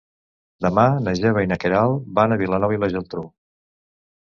Demà na Gemma i na Queralt van a Vilanova i la Geltrú.